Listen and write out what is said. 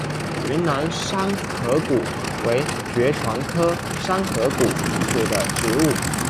云南山壳骨为爵床科山壳骨属的植物。